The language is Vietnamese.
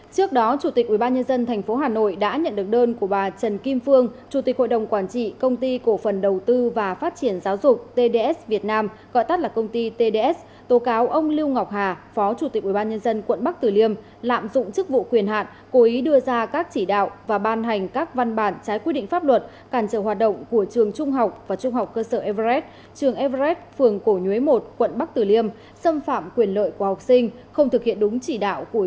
chủ tịch ubnd tp hà nội đã nhận được đơn của bà trần kim phương chủ tịch hội đồng quản trị công ty cổ phần đầu tư và phát triển giáo dục tds việt nam gọi tắt là công ty tds tố cáo ông lưu ngọc hà phó chủ tịch ubnd quận bắc tử liêm lạm dụng chức vụ quyền hạn cố ý đưa ra các chỉ đạo và ban hành các văn bản trái quy định pháp luật cản trở hoạt động của trường trung học và trung học cơ sở everett trường everett phường cổ nhuế một quận bắc tử liêm xâm phạm quyền lợi của học sinh không thực hiện đúng quyền lợi